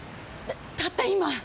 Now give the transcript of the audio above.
たった今。